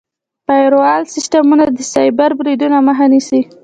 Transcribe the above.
فایروال سیسټمونه د سایبري بریدونو مخه نیسي.